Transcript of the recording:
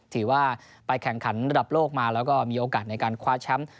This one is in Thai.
ถือว่าไปแข่งขันระดับโลกมาแล้วก็มีโอกาสในการคว้าแชมป์